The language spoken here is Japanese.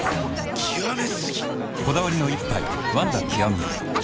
極め過ぎ！